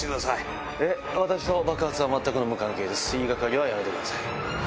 言いがかりはやめてください。